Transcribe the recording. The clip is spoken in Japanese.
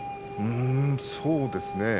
そうですね。